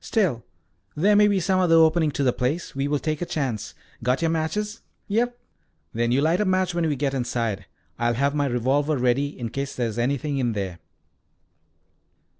"Still, there may be some other opening to the place. We will take a chance. Got your matches?" "Yes." "Then you light a match when we get inside. I'll have my revolver ready in case there is anything in there."